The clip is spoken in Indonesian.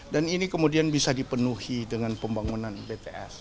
dan ini kemudian bisa dipenuhi dengan pembangunan bts